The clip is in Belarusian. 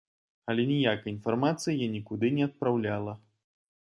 Але ніякай інфармацыі я нікуды не адпраўляла.